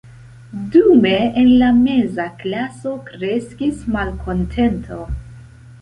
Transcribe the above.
Dume en la meza klaso kreskis malkontento.